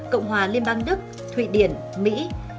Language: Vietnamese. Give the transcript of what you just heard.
cộng hòa liên bang đức thụy điển mỹ